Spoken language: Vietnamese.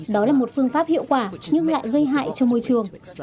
đó là một phương pháp hiệu quả nhưng lại gây hại cho môi trường